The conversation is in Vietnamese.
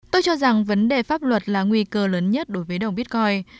tôi cho rằng vấn đề pháp luật là nguy cơ lớn nhất đối với đồng bitcoin